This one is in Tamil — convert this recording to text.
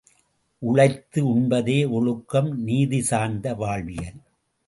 உழைத்து உண்பதே ஒழுக்கம் நீதி சார்ந்த வாழ்வியல்.